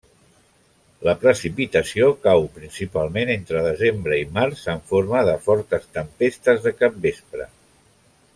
La precipitació cau principalment entre desembre i març en forma de fortes tempestes de capvespre.